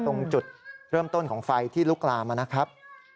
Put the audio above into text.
ตรงจุดเริ่มต้นของไฟที่ลุกลามนะครับ